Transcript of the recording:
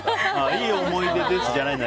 いい思い出ですじゃないんだ。